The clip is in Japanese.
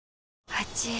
あちぃ。